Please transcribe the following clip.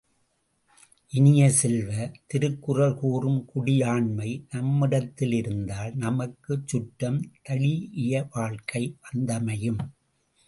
இனிய செல்வ, திருக்குறள் கூறும் குடியாண்மை நம்மிடத்தில் இருந்தால் நமக்குச் சுற்றம் தழீஇய வாழ்க்கை வந்தமையும்.